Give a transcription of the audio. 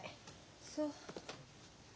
そう。